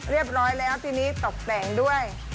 เรียบร้อยแล้วทีนี้ตกแต่งด้วย